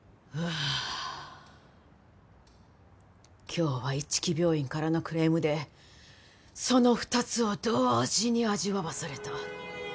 今日は一木病院からのクレームでその二つを同時に味わわされた。